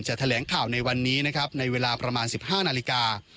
จะแถลงข่าวในวันนี้นะครับในเวลาประมาณสิบห้านาลีกา